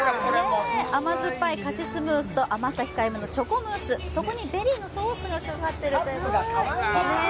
甘酸っぱいカシスムースと甘さ控えめのチョコムース、そこにベリーのソースがかかってるムースでございます。